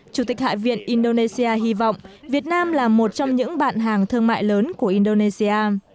chủ tịch hạ viện indonesia hy vọng việt nam là một trong những bạn hàng thương mại lớn của indonesia